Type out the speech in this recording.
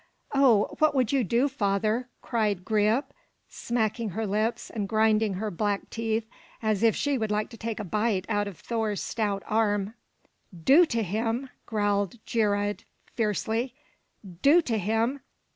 "Oh, what would you do, father?" cried Greip, smacking her lips and grinding her black teeth as if she would like a bite out of Thor's stout arm. "Do to him!" growled Geirröd fiercely. "Do to him!